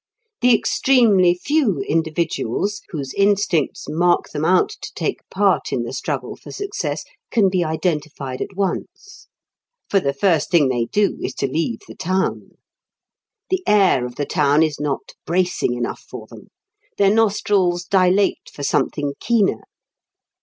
The extremely few individuals whose instincts mark them out to take part in the struggle for success can be identified at once. For the first thing they do is to leave the town. The air of the town is not bracing enough for them. Their nostrils dilate for something keener.